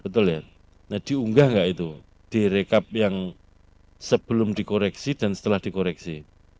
betul ya nah diunggah nggak itu di rekap yang sebelum dikoreksi dan setelah dikoreksi